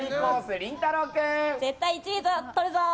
絶対１位とるぞ！